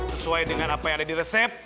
sesuai dengan apa yang ada di resep